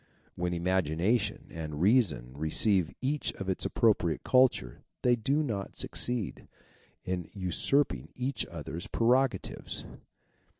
When imagination and reason re ceive each its appropriate culture they do not succeed in usurping each other's prerogatives.